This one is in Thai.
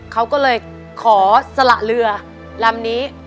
เขาก็เลยขอสละเรือลำนี้